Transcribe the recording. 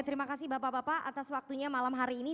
terima kasih bapak bapak atas waktunya malam hari ini